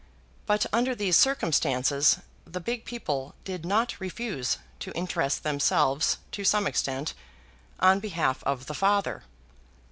But, under these circumstances, the big people did not refuse to interest themselves to some extent on behalf of the father.